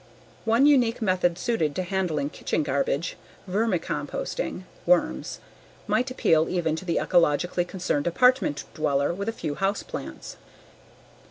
One unique method suited to handling kitchen garbage vermicomposting (worms) might appeal even to the ecologically concerned apartment dweller with a few house plants.